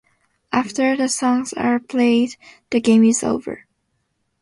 After the songs are played, the game is over.